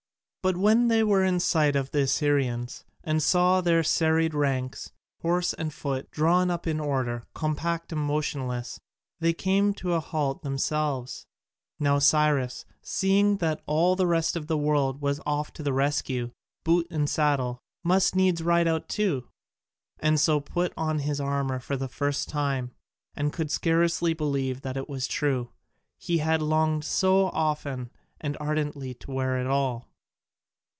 But when they were in sight of the Assyrians, and saw their serried ranks, horse and foot, drawn up in order, compact and motionless, they came to a halt themselves. Now Cyrus, seeing that all the rest of the world was off to the rescue, boot and saddle, must needs ride out too, and so put on his armour for the first time, and could scarcely believe it was true, he had longed so often and so ardently to wear it all.